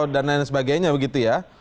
dan lain sebagainya begitu ya